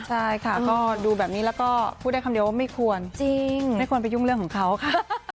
ใช่ค่ะก็ดูแบบนี้แล้วก็พูดได้คำเดียวว่าไม่ควรจริงไม่ควรไปยุ่งเรื่องของเขาค่ะ